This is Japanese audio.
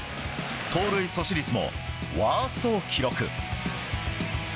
盗塁阻止率もワーストを記録。